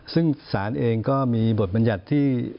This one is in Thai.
ซึ่งศาลเองก็มีบทบัญญัติที่